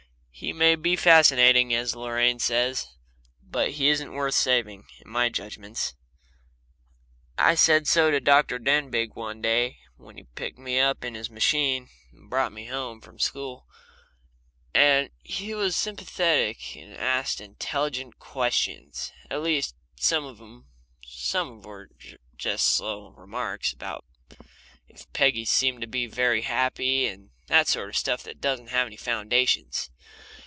He may be fascinating, as Lorraine says, but he isn't worth saving, in my judgments. I said so to Dr. Denbigh one day when he picked me up in his machine and brought me home from school, and he was sympathetic and asked intelligent questions at least, some of them were; some of them were just slow remarks about if Peggy seemed to be very happy, and that sort of stuff that doesn't have any foundations.